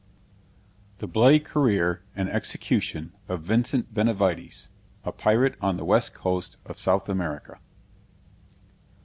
THE BLOODY CAREER AND EXECUTION OF VINCENT BENAVIDES A PIRATE ON THE WEST COAST OF SOUTH AMERICA.